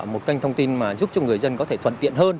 một kênh thông tin mà giúp cho người dân có thể thuận tiện hơn